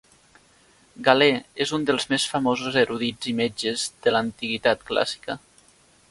Galè és un dels més famosos erudits i metges de l'antiguitat clàssica.